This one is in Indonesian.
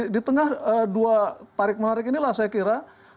di tengah dua parik marik inilah saya kira